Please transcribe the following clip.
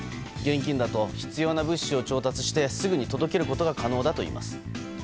現金だと、必要な物資を調達してすぐに届けることが可能だといいます。